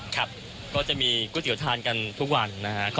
ครับก็จะมีก๋วยเตี๋ยวทานกันทุกวันนะครับ